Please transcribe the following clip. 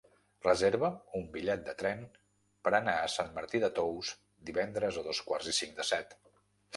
Reserva'm un bitllet de tren per anar a Sant Martí de Tous divendres a dos quarts i cinc de set.